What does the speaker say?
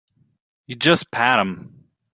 You just pat him.